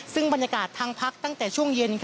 ซึ่งบรรยากาศทางพักตั้งแต่ช่วงเย็น